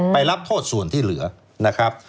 รับโทษส่วนที่เหลือนะครับ